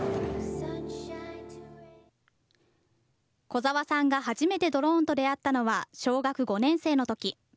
小澤さんが初めてドローンと出会ったのは、小学５年生のとき。